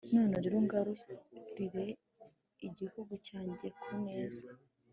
none rero, ungarurire igihugu cyanjye ku neza